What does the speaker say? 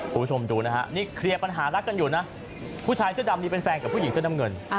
คุณผู้ชมดูนะฮะนี่เคลียร์ปัญหารักกันอยู่นะผู้ชายเสื้อดำนี้เป็นแฟนกับผู้หญิงเสื้อน้ำเงิน